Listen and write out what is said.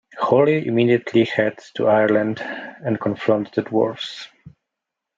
Holly immediately heads to Ireland and confronts the dwarfs.